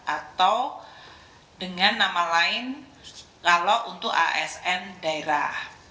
atau dengan nama lain kalau untuk asn daerah